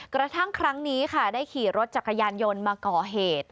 กระทั่งครั้งนี้ค่ะได้ขี่รถจักรยานยนต์มาก่อเหตุ